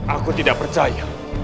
aku tidak percaya